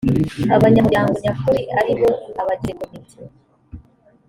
abanyamuryango nyakuri ari bo abagize komite